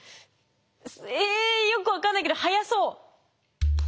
えよく分かんないけど速そう。